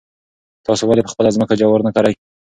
تاسو ولې په خپله ځمکه کې جوار نه کرئ؟